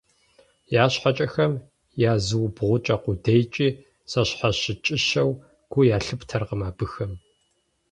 Я щхьэкӀэхэм я зыубгъукӀэ къудейкӀи зэщхьэщыкӀыщэу гу ялъыптэркъым абыхэм.